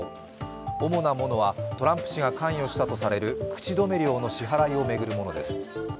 主なものはトランプ氏が関与したとされる口止め料の支払いを巡るものです。